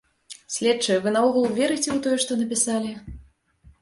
Следчыя, вы наогул верыце ў тое, што напісалі?